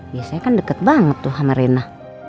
biasanya kan deket banget tuh sama rena